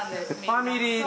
ファミリーで。